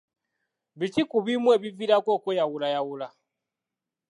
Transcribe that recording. Biki ku bimu ebiviirako okweyawulayawula?